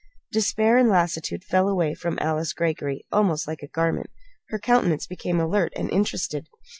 Despair and lassitude fell away from Alice Greggory almost like a garment. Her countenance became alert and interested.